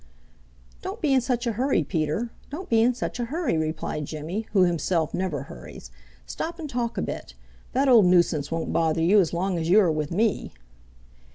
"Don't be in such a hurry, Peter. Don't be in such a hurry," replied Jimmy, who himself never hurries. "Stop and talk a bit. That old nuisance won't bother you as long as you are with me."